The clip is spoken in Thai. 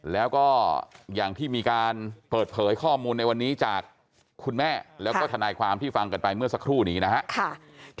แล้วก็อย่างที่มีการเปิดเผยข้อมูลในวันนี้จากคุณแม่แล้วก็ทนายความที่ฟังกันไปเมื่อสักครู่นี้นะครับ